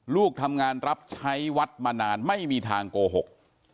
ลูกทำงานรับใช้วัดมานานไม่มีทางโกหก